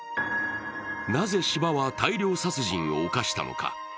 なぜ斯波は大量殺人を犯したのか。